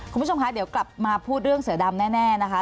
คุณผู้ชมคะเดี๋ยวกลับมาพูดเรื่องเสือดำแน่นะคะ